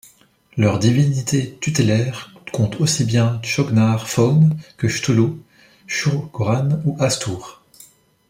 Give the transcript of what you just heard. Leurs divinités tutélaires comptent aussi bien Chaugnar Faugn, que Cthulhu, Shugoran ou Hastur.